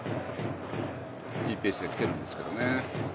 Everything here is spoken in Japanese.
いいペースできてるんですけどね。